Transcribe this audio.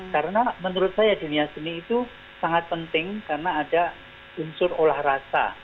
karena menurut saya dunia seni itu sangat penting karena ada unsur olah rasa